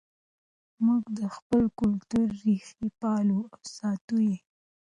موږ د خپل کلتور ریښې پالو او ساتو یې.